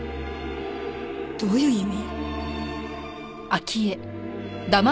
どういう意味？